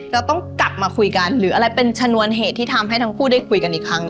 เราต้องกลับมาคุยกันหรืออะไรเป็นชนวนเหตุที่ทำให้ทั้งคู่ได้คุยกันอีกครั้ง